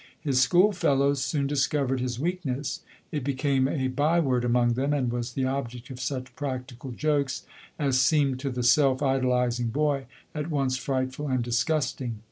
His schoolfellows soon discovered his weakness — it became a bye word among them, and was the object of such practical jokes, as seemed to the self idolizing boy, at once frightful and disgusting.